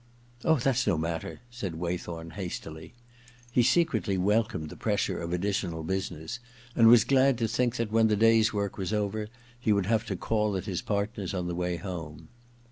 * Oh, that's no matter,' said Waythorn hastily. He secretly welcomed the pressure of additional business, and was glad to think that, when the day's work was over, he would have to call at his partner's on the way home.